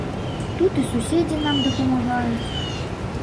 Тут і суседзі нам дапамагаюць.